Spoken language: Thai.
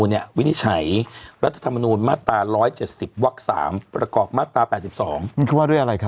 นั่นจะจบผมเมื่อกี้แล้วล่ะ